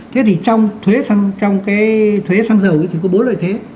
thế thì trong cái thuế xăng dầu thì có bốn loại thuế